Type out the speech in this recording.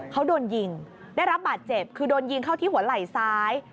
เขาโดนยิงได้รับบาดเจ็บคือโดนยิงเข้าที่หัวไหล่ซ้าย